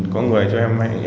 có người cho em vai